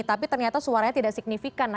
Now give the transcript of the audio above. tapi ternyata suaranya tidak signifikan